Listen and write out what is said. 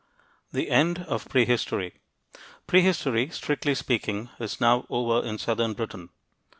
THE END OF PREHISTORY Prehistory, strictly speaking, is now over in southern Britain.